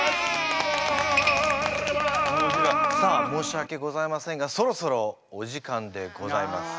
さあ申しわけございませんがそろそろお時間でございます。